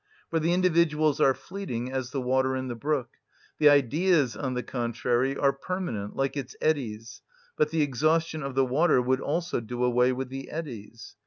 For the individuals are fleeting as the water in the brook; the Ideas, on the contrary, are permanent, like its eddies: but the exhaustion of the water would also do away with the eddies.